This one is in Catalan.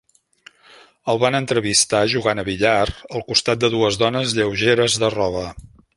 El van entrevistar jugant a billar al costat de dues dones lleugeres de roba.